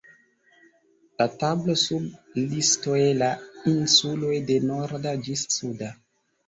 La tablo sub listoj la insuloj de Norda ĝis Suda.